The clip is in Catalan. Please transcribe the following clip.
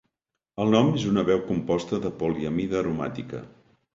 El nom és una veu composta de "poliamida aromàtica".